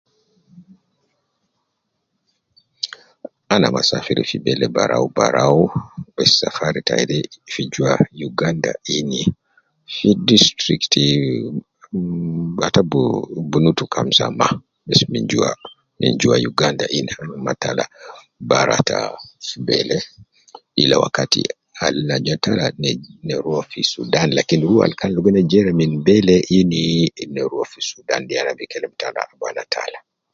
Ana ma safiri fi bele baraubarau besi safari tai de fi jua Uganda ini fi district bb ata bu bunutu kamsa ma minjua Uganda ini ana ma tala bara ta bele ila wakati al ina ja tala na na rua fi Sudan lakin rua al ina jere min bele inii ina rua fi Sudan de ya ana bikelem de ya tala ab ana tala.